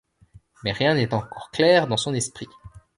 Mais rien n'est encore clair dans son esprit.